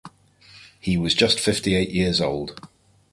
He was just fifty-eight years old.